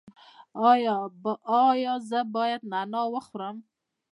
ایا زه باید نعناع وخورم؟